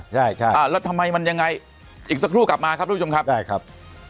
แล้วทำไมมันยังไงอีกสักครู่กลับมาครับทุกผู้ชมครับ